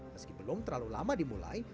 meski belum terlalu lama dimulai